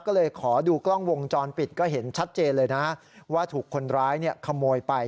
ก็เลยขอดูกล้องวงจรปิดก็เห็นชัดเจนเลยนะว่าถูกคนร้ายขโมยไป